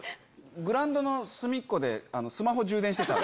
グラウンドの隅っこでスマホ充電してた。